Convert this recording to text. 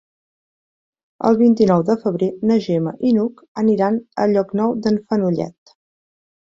El vint-i-nou de febrer na Gemma i n'Hug aniran a Llocnou d'en Fenollet.